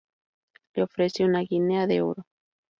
Le ofrece una guinea de oro.